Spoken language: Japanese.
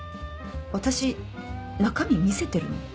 私中身見せてるの？